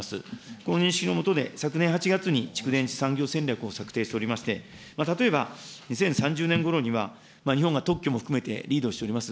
この認識の下で、昨年８月に蓄電池産業戦略を策定しておりまして、例えば２０３０年ごろには、日本が特許も含めてリードしております